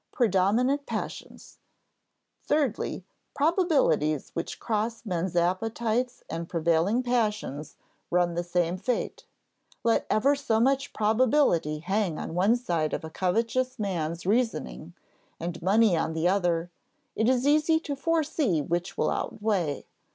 "Predominant Passions. Thirdly, probabilities which cross men's appetites and prevailing passions run the same fate. Let ever so much probability hang on one side of a covetous man's reasoning, and money on the other, it is easy to foresee which will outweigh.